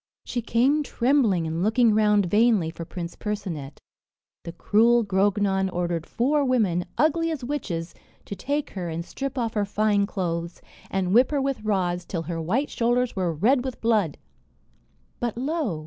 She came trembling and looking round vainly for Prince Percinet. The cruel Grognon ordered four women, ugly as witches, to take her and strip off her fine clothes, and whip her with rods till her white shoulders were red with blood. But lo!